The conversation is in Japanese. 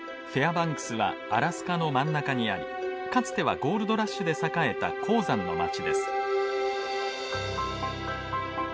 バンクスはアラスカの真ん中にありかつてはゴールドラッシュで栄えた鉱山の街です。